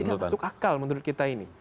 tidak masuk akal menurut kita ini